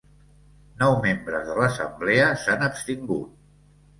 Nou membres de l’assemblea s’han abstingut.